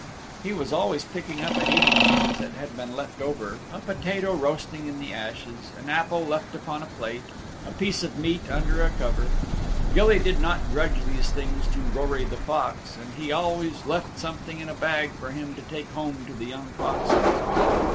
He was always picking up and eating things that had been left over a potato roasting in the ashes, an apple left upon a plate, a piece of meat under a cover. Gilly did not grudge these things to Rory the Fox and he always left something in a bag for him to take home to the young foxes.